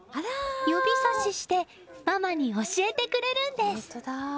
指さししてママに教えてくれるんです。